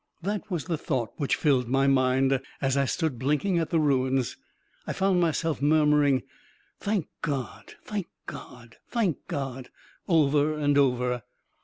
That was the thought which filled my mind, as I stood blinking at the ruins, and I found myself mur muring, "Thank Godl Thank God! Thank God I " over and over.